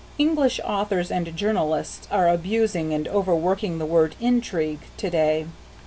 English authors and journalists are abusing and overworking the word intrigue to day.